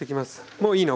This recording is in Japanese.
もういいの？